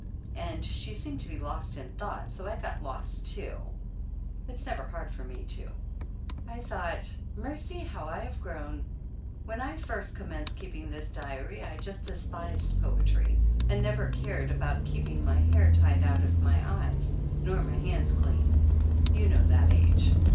And she seemed to be lost in thought, so I got lost too. It never is hard for me to. I thought: "Mercy, how I have grown !" When I first com menced keeping this diary I just despised poetry, and never cared about keeping my hair tied out of my eyes, nor my hands clean. You know that age!